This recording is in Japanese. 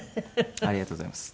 ありがとうございます。